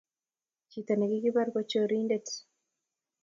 Chito negigibaar ko chorindet